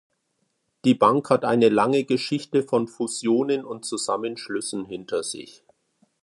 Die Bank hat eine lange Geschichte von Fusionen und Zusammenschlüssen hinter sich.